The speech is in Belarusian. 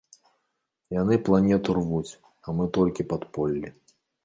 Яны планету рвуць, а мы толькі падполлі.